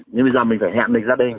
nhưng bây giờ mình phải hẹn định gia đình